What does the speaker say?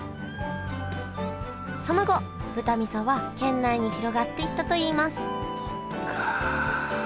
その後豚味噌は県内に広がっていったといいますそっか。